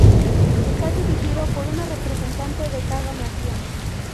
Está dirigido por un representante de cada nación.